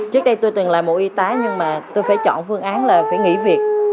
trước đây tôi từng là một y tá nhưng mà tôi phải chọn phương án là phải nghỉ việc